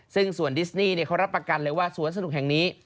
ซึ่งส่วนดิสนี่เขารับประกันเลยว่าสวนสนุกแห่งนี้